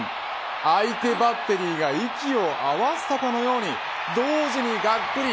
相手バッテリーが息を合わせたかのように同時にがっくり。